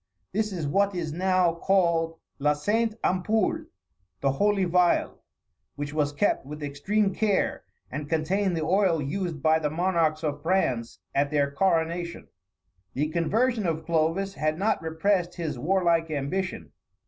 This is what is now called La Sainte Ampoule, the Holy Phial; which was kept with extreme care, and contained the oil used by the monarchs of France at their coronation. The conversion of Clovis had not repressed his warlike ambition.